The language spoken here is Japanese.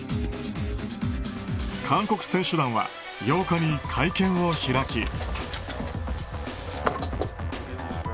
韓国選手団は８日に会見を開き。